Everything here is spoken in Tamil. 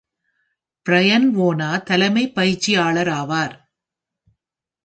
ப்ரையன் வோனா தலைமைப் பயிற்சியாளராவார்.